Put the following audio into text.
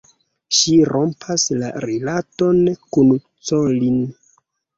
Ŝi rompas la rilaton kun Colin.